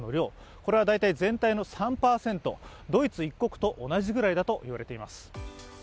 これは大体全体の３％ドイツ一国と同じぐらいだと言われています。